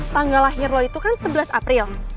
tanggal lahir lo itu kan sebelas april